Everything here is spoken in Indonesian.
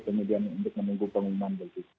kemudian untuk menunggu pengumuman